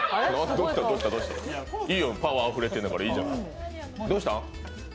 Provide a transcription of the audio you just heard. いいよ、パワーあふれてるんだからいいじゃん。